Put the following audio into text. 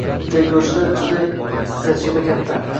Tergovchida juda tajriba katta.